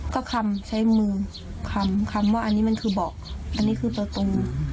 ก็คำใช้มือคำคำว่าอันนี้มันคือเบาะอันนี้คือประตู